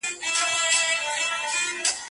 نه بې تا محفل ټولېږي، نه بې ما سترګي در اوړي